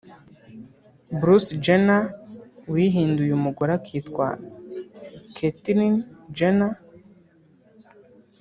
Bruce Jenner wihinduye umugore akitwa Caitlyn Jenner